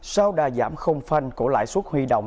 sau đà giảm không phanh của lãi suất huy động